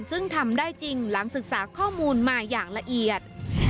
ซึ่งทำได้จริงหลังศึกษาข้อมูลมาอย่างละเอียด